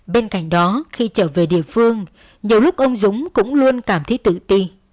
bên cạnh đó khi trở về địa phương nhiều lúc ông dũng cũng luôn cảm thấy tự ti